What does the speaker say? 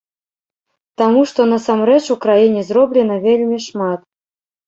Таму што насамрэч у краіне зроблена вельмі шмат.